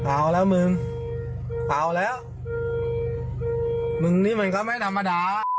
เอาแล้วมึงเอาแล้วมึงนี่มันก็ไม่ธรรมดา